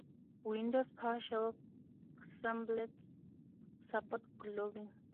Windows PowerShell Cmdlets support globbing.